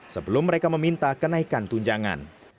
sebelum mereka meminta kenaikan tunjangan